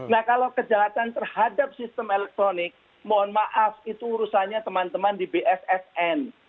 nah kalau kejahatan terhadap sistem elektronik mohon maaf itu urusannya teman teman di bssn